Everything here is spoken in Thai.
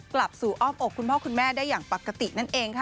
กลับสู่อ้อมอกคุณพ่อคุณแม่ได้อย่างปกตินั่นเองค่ะ